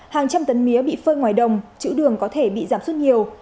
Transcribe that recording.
hàng trăm tấn mía bị phơi ngoài đồng chữ đường có thể bị giảm suốt nhiều